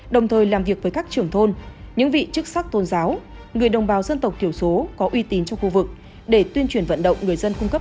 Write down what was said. đồng thời làm việc với các trưởng thôn những vị chức sắc tôn giáo người đồng bào dân tộc thiểu số có uy tín trong khu vực để tuyên truyền vận động người dân cung cấp